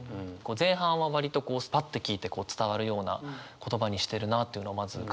前半は割とこうスパッと聞いて伝わるような言葉にしてるなというのをまず感じて。